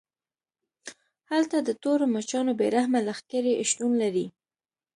هلته د تورو مچانو بې رحمه لښکرې شتون لري